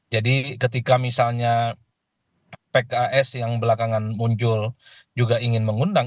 jadi ketika misalnya pks yang belakangan muncul juga ingin mengundang